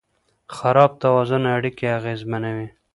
خراب توازن اړیکې اغېزمنوي.